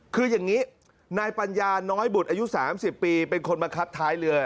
คืออย่างนี้นายปัญญาน้อยบุตรอายุ๓๐ปีเป็นคนมาครับท้ายเรือ